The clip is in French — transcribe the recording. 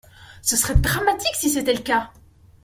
Ce serait dramatique si c’était le cas.